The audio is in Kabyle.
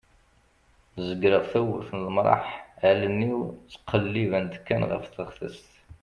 zegreɣ tawwurt n lemraḥ allen-iw ttqellibent kan ɣef teɣtest